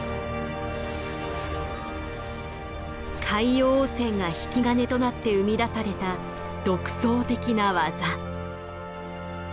海洋汚染が引き金となって生み出された独創的な技。